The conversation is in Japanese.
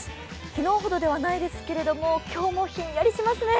昨日ほどではないですけども、今日もひんやりしますね。